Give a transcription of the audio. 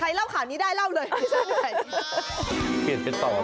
ใครเล่าข่านี้ได้เล่าเลย